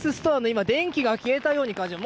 今、電気が消えたように感じます。